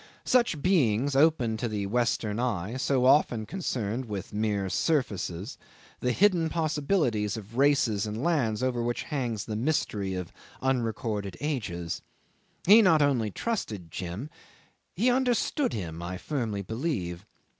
Such beings open to the Western eye, so often concerned with mere surfaces, the hidden possibilities of races and lands over which hangs the mystery of unrecorded ages. He not only trusted Jim, he understood him, I firmly believe.